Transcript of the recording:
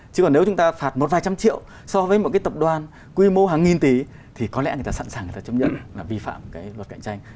chứ còn nếu chúng ta phạt một vài trăm triệu so với một tập đoàn quy mô hàng nghìn tỷ thì có lẽ người ta sẵn sàng chấp nhận vi phạm luật cạnh tranh